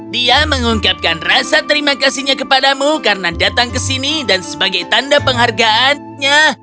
dia mengungkapkan rasa terima kasihnya kepadamu karena datang ke sini dan sebagai tanda penghargaannya